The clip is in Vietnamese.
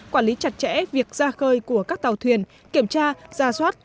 quản lý chặt chẽ việc ra khơi của các tàu thuyền kiểm tra ra soát